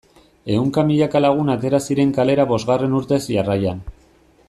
Ehunka milaka lagun atera ziren kalera bosgarren urtez jarraian.